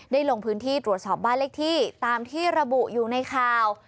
ลงพื้นที่ตรวจสอบบ้านเลขที่ตามที่ระบุอยู่ในข่าว